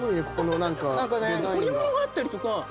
彫り物があったり